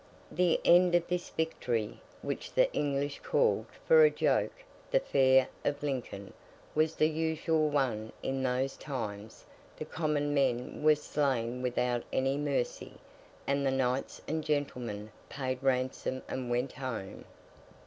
The end of this victory, which the English called, for a joke, the Fair of Lincoln, was the usual one in those times—the common men were slain without any mercy, and the knights and gentlemen paid ransom and went home.